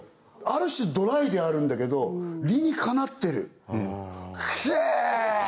ある種ドライであるんだけど理にかなってるひぇ！